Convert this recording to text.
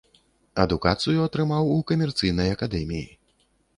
Адукацыю атрымаў у камерцыйнай акадэміі.